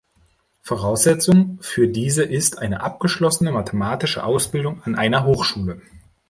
Voraussetzung für diese ist eine abgeschlossene mathematische Ausbildung an einer Hochschule.